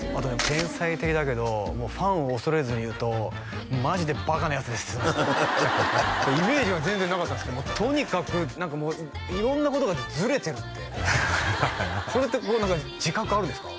天才的だけどもうファンを恐れずに言うとマジでバカなヤツですっつってましたイメージが全然なかったんですけどとにかく何かもう色んなことがずれてるってそれって何か自覚あるんですか？